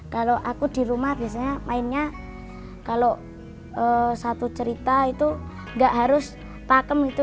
kalau aku di rumah biasanya mainnya kalau satu cerita itu nggak harus pakem gitu